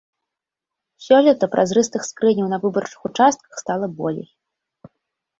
Сёлета празрыстых скрыняў на выбарчых участках стала болей.